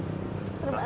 terus lagi ya